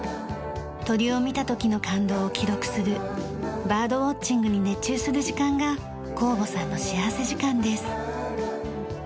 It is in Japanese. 鳥を見た時の感動を記録するバードウォッチングに熱中する時間が幸保さんの幸福時間です。